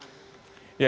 saya ini di jenderal